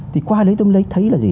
thì qua đấy tôi mới thấy là gì